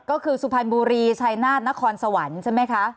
ก็คือสุพรรณบุรีชายนาฏนครสวรรค์ใช่ไหมคะ